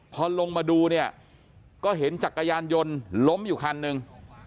พอลงมาดูเนี่ยก็เห็นจักรยานยนต์ล้มอยู่คันหนึ่ง